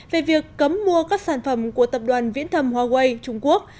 về việc cấm mua các sản phẩm của tập đoàn viễn thầm huawei trung quốc